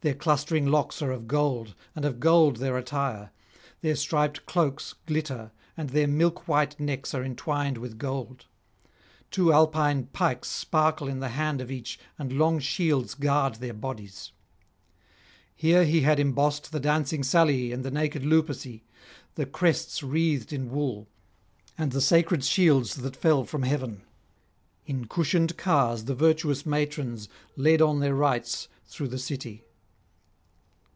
Their clustering locks are of gold, and of gold their attire; their striped cloaks glitter, and their milk white necks are entwined with gold. Two Alpine pikes sparkle in the hand of each, and long shields guard their bodies. Here he had embossed the dancing Salii and the naked Luperci, the crests wreathed in wool, and the sacred shields that fell from heaven; in cushioned cars the virtuous matrons led on their rites through the city.